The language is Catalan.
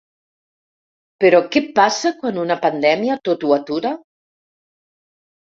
Però què passa quan una pandèmia tot ho atura?